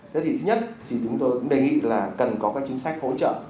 thế thì thứ nhất thì chúng tôi cũng đề nghị là cần có các chính sách hỗ trợ